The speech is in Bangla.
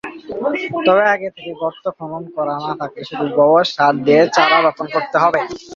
তবে আগে থেকে গর্ত খনন করা না থাকলে শুধু গোবর সার দিয়ে চারা রোপণ করতে হবে।